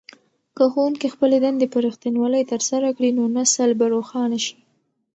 که ښوونکي خپلې دندې په رښتینولۍ ترسره کړي نو نسل به روښانه شي.